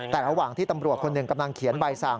แต่ระหว่างที่ตำรวจคนหนึ่งกำลังเขียนใบสั่ง